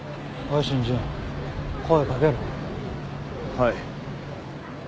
はい。